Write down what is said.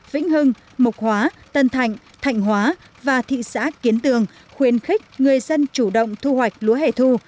vĩnh hưng mục hóa tân thạnh thạnh hóa và thị xã kiến tường khuyến khích người dân chủ động thu hoạch lúa hẻ thu